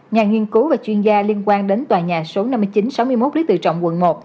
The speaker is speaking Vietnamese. nhà nghiên cứu và chuyên gia liên quan đến tòa nhà số năm nghìn chín trăm sáu mươi một lý tự trọng quận một